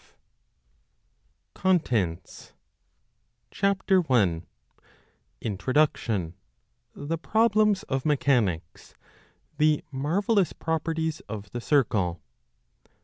S. F. I 2 CONTENTS CHAP. 1. Introduction; the problems of mechanics; the marvellous pro perties of the circle.